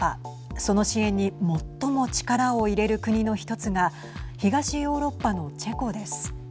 その支援に最も力を入れる国の１つが東ヨーロッパのチェコです。